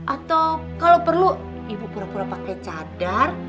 atau kalau perlu ibu pura pura pakai cadar